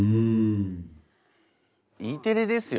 Ｅテレですよ？